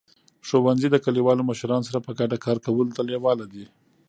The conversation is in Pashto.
ښوونځي د کلیوالو مشرانو سره په ګډه کار کولو ته لیواله دي.